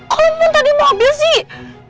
kok muntah di mobil sih